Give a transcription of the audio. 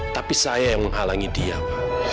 tapi saya yang menghalangi dia pak